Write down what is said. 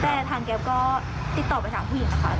แต่ทางแก๊ปก็ติดต่อไปถามผู้หญิงนะคะ